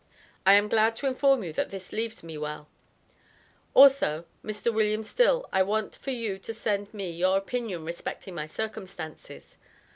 I am glad to inform you that this leaves me well. Also, Mr. Wm. Still, I want for you to send me your opinion respecting my circumstances.